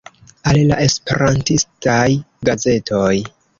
Al la Esperantistaj Gazetoj.